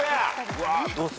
うわどうする？